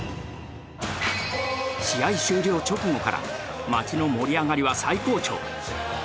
試合終了直後から、街の盛り上がりは最高潮。